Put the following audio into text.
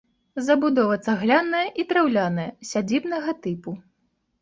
Забудова цагляная і драўляная, сядзібнага тыпу.